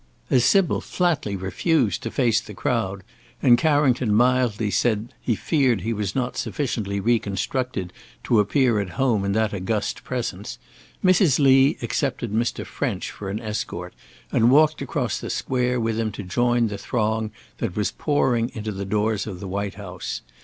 As Sybil flatly refused to face the crowd, and Carrington mildly said that he feared he was not sufficiently reconstructed to appear at home in that august presence, Mrs. Lee accepted Mr. French for an escort, and walked across the Square with him to join the throng that was pouring into the doors of the White House.